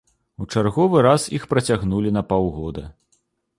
У чарговы раз іх працягнулі на паўгода.